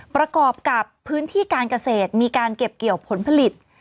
ประกอบกับพื้นที่การเกษตรมีการเก็บเกี่ยวผลผลิต